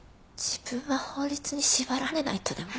自分は法律に縛られないとでも？